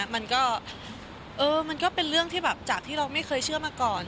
มันก็เป็นเรื่องจากที่เราไม่เคยเชื่อมาก่อน